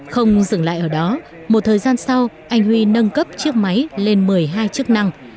không dừng lại ở đó một thời gian sau anh huy nâng cấp chiếc máy lên một mươi hai chức năng